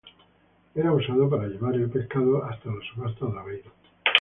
Era usado para llevar el pescado hasta la subasta de Aveiro.